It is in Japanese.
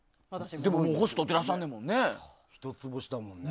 でも、星をとってらっしゃんねんもんね。